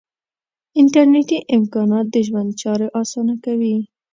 انټرنیټي امکانات د ژوند چارې آسانه کوي.